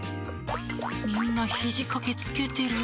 みんなひじかけつけてる。